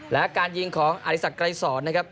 และการยิงของอธิสักรายศรนะครับ